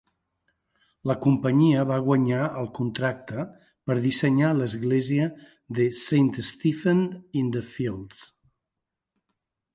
La companyia va guanyar el contracte per dissenyar l'església de Saint Stephen-in-the-Fields.